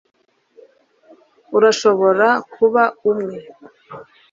Urashobora kuba umwe